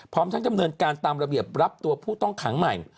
พร้อมทั้งดำเนินการตามระเบียบรับตัวผู้ต้องขังใหม่